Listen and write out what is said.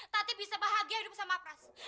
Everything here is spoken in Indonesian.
tadi bisa bahagia hidup sama prasma